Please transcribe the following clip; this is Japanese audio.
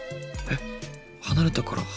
離れたから発熱？